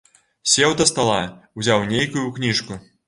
Сеў да стала, узяў нейкую кніжку.